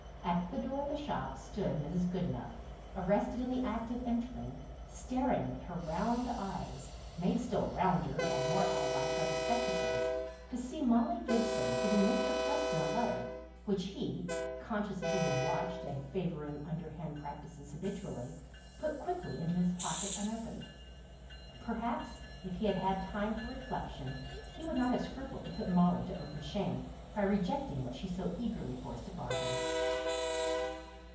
At the door of the shop stood Mrs. Goodenough, arrested in the act of entering, staring, with her round eyes, made still rounder and more owl like by spectacles, to see Molly Gibson giving Mr. Preston a letter, which he, conscious of being watched, and favouring underhand practices habitually, put quickly into his pocket, unopened. Perhaps, if he had had time for reflection he would not have scrupled to put Molly to open shame, by rejecting what she so eagerly forced upon him.